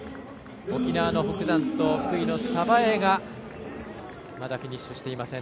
沖縄の北山と、福井の鯖江がまだフィニッシュしていません。